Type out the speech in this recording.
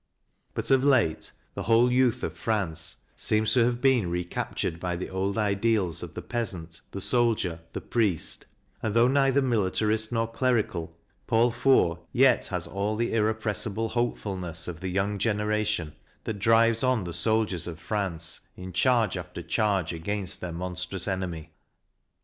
But of late the whole youth of France seem to have been re captured by the old ideals of the peasant, the soldier, the priest; and though neither militarist nor clerical, Paul Fort yet has all the irrepressible hopefulness of the young generation that drives on the soldiers of France in charge after charge against their monstrous enemy.